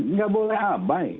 tidak boleh abai